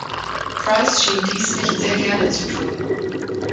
Price schien dies nicht sehr gerne zu tun.